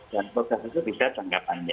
dan proses itu bisa tanggapannya